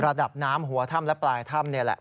ระดับน้ำหัวถ้ำและปลายถ้ำนี่แหละ